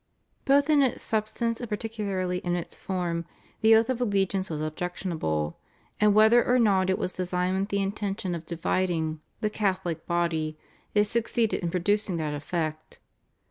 Both in its substance and particularly in its form the oath of allegiance was objectionable, and whether or not it was designed with the intention of dividing the Catholic body, it succeeded in producing that effect.